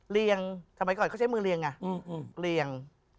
เรียงทำไมก่อนเขาใช้มือเรียง